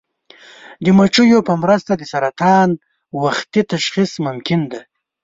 د مچیو په مرسته د سرطان وختي تشخیص ممکن دی.